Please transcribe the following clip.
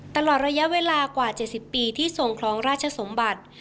ตลอดระยะเวลากว่า๗๐ปีที่ทรงครองราชสมบัติ